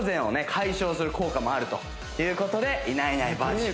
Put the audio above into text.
解消する効果もあるということでいないいないばあすげー